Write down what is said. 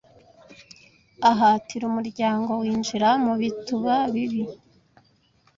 ahatira umuryango winjira mubituba bibi